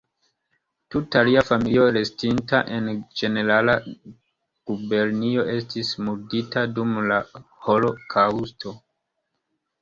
Tuta lia familio restinta en Ĝenerala Gubernio estis murdita dum holokaŭsto.